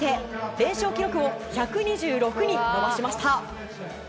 連勝記録を１２６に伸ばしました。